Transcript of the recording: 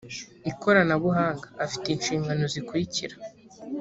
ikoranabuhanga afite inshingano zikurikira